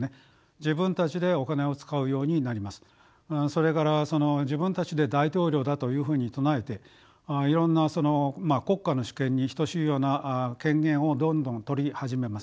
それから自分たちで大統領だというふうに唱えていろんな国家の主権に等しいような権限をどんどんとり始めます。